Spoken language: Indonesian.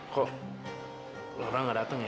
kok orang gak datang ya